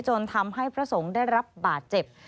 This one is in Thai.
จนทำให้พระสงฆ์ได้รับบาดเจ็บ